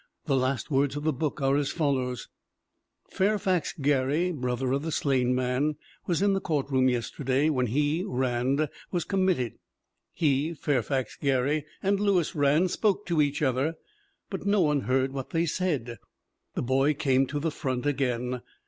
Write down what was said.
The last words of the book are as fol lows: " 'Fairfax Gary [brother of the slain man] was in the court room yesterday when he [Rand] was committed. He [Fairfax Gary] and Lewis Rand spoke to each other, but no one heard what they said.' "The boy came to the front again.